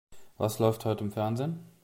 Was läuft heute im Fernsehen?